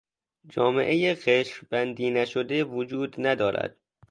جامعهی قشر بندی نشده وجود ندارد.